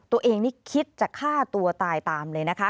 ตัวเองนี่คิดจะฆ่าตัวตายตามเลยนะคะ